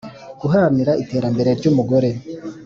Guharanira iterambere ry umugore